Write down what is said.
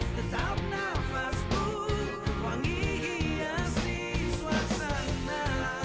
tetap nafasmu kuanggih hiasi suasana